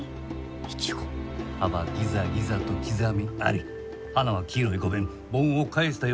葉はギザギザと刻みあり花は黄色い５弁盆を返したような形状。